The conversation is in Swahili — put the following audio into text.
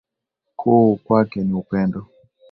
Kuu kwake ni upendo.